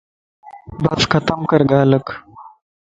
بس ختم ڪر ڳالھک